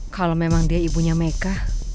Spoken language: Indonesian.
kalau memang dia ibunya meka